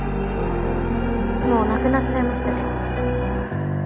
もう亡くなっちゃいましたけど。